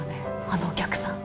あのお客さん。